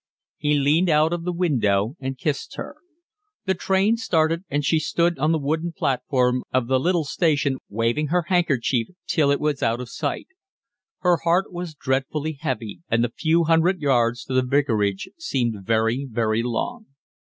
He leaned out of the window and kissed her. The train started, and she stood on the wooden platform of the little station, waving her handkerchief till it was out of sight. Her heart was dreadfully heavy, and the few hundred yards to the vicarage seemed very, very long.